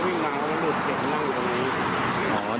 ก็วิ่งมาแล้วลุดเก็บนั่งอยู่ตรงนี้